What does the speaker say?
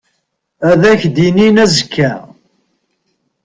Ad ak-d-inin azekka.